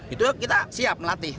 itu kita siap melatih